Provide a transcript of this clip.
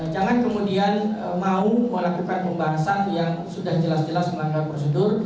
jangan kemudian mau melakukan pembahasan yang sudah jelas jelas melanggar prosedur